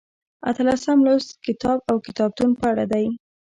اتلسم لوست کتاب او کتابتون په اړه دی.